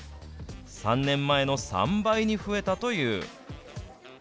３年前の３倍に増えたという。